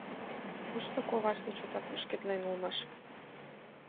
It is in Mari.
Тушто коваште чотак кушкедлен улмаш.